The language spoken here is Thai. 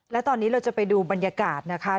และตอนนี้เราจะไปดูบรรยากาศนะคะ